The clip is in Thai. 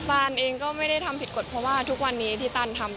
ตานเองก็ไม่ได้ทำผิดกฎเพราะว่าทุกวันนี้ที่ตันทำ